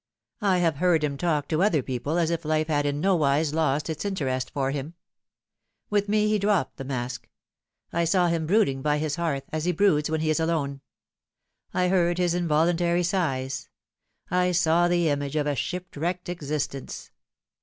I have heard him talk to other people as if life had in nowise lost its interest for him. With me he dropped the mask. I saw him brooding by his hearth, as he broods when he is alone. I heard his involuntary sighs. I saw the image of a shipwrecked existence.